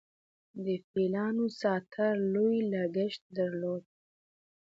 د فیلانو ساتل لوی لګښت درلود